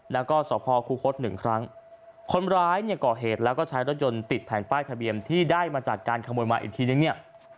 แล้วก็ใช้รถยนต์ติดแผ่นป้ายทะเบียนที่ได้มาจากการขโมยมาอีกทีนึงเนี่ย